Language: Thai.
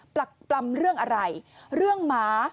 ปรักปรำเรื่องอะไรเรื่องหมา